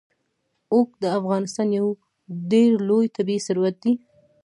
اوښ د افغانستان یو ډېر لوی طبعي ثروت دی.